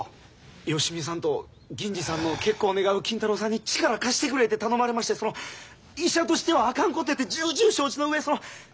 芳美さんと銀次さんの結婚を願う金太郎さんに力貸してくれって頼まれましてその医者としてはあかんことやって重々承知の上その。